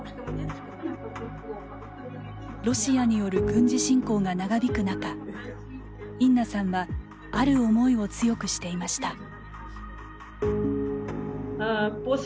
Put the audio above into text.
ロシアによる軍事侵攻が長引く中インナさんはある思いを強くしていました。